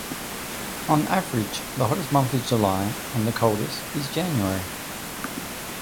On average, the hottest month is July, and the coldest is January.